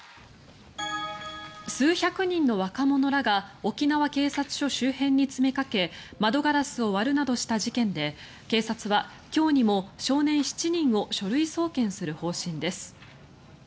数百人の若者らが沖縄警察署周辺に詰めかけ窓ガラスを割るなどした事件で警察は今日にも少年７人を書類送検する方針です。